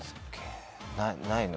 ないの？